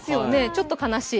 ちょっと悲しい。